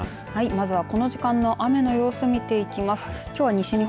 まずはこの時間の雨の様子を見ていきます。